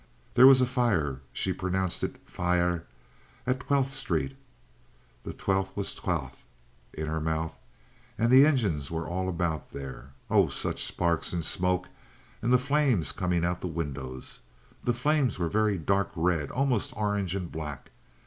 There was a fire"—she pronounced it fy yah—"at Twelfth Street" (the Twelfth was Twalfth in her mouth) "and the engines were all about there. Oh, such sparks and smoke! And the flames coming out of the windows! The flames were a very dark red—almost orange and black.